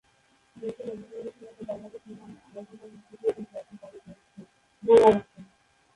বিশ্বের অন্যান্য দেশের মতো বাংলাদেশেও নানা আয়োজনের মধ্য দিয়ে এই বর্ষ পালিত হচ্ছে।